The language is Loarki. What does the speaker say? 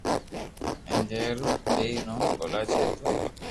جي رو پيلي نوم ڪولاچي ھتو